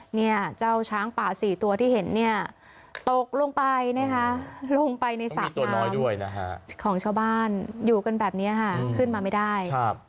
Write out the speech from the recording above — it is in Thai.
เนี่ยเจ้าช้างป่า๔ตัวที่เห็นเนี่ยตกลงไปนะคะลงไปในสระตัวน้อยด้วยนะฮะของชาวบ้านอยู่กันแบบนี้ค่ะขึ้นมาไม่ได้